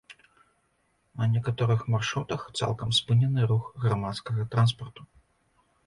На некаторых маршрутах цалкам спынены рух грамадскага транспарту.